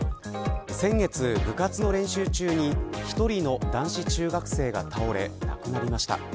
先月、部活の練習中に１人の男子中学生が倒れ亡くなりました。